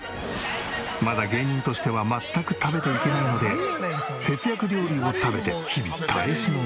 まだ芸人としては全く食べていけないので節約料理を食べて日々耐え忍んでいる。